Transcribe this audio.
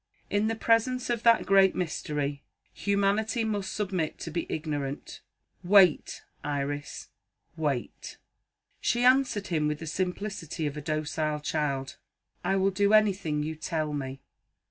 In the presence of that great mystery, humanity must submit to be ignorant. Wait, Iris wait!" She answered him with the simplicity of a docile child: "I will do anything you tell me."